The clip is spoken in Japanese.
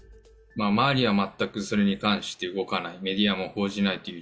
周りは全くそれに関して動かない、メディアも報じないという